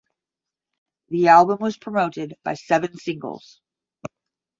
The album was promoted by seven singles.